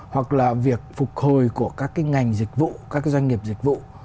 hoặc là việc phục hồi của các cái ngành dịch vụ các cái doanh nghiệp dịch vụ